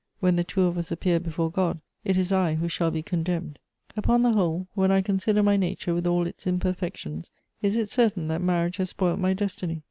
When the two of us appear before God, it is I who shall be condemned. Upon the whole, when I consider my nature with all its imperfections, is it certain that marriage has spoilt my destiny?